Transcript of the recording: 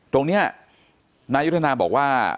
ตรงนี้นายุทธนาบอกว่า